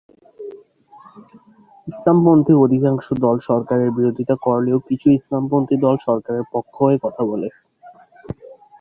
ইসলামপন্থী অধিকাংশ দল সরকারের বিরোধিতা করলেও কিছু ইসলামপন্থী দল সরকারের পক্ষ হয়ে কথা বলেন।